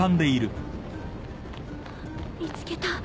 見つけた。